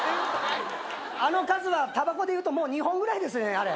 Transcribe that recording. あの数はたばこでいうともう２本ぐらいですねあれ。